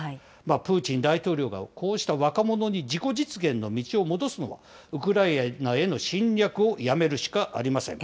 プーチン大統領がこうした若者に自己実現の道を戻すのも、ウクライナへの侵略をやめるしかありません。